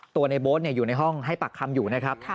ในโบ๊ทอยู่ในห้องให้ปากคำอยู่นะครับ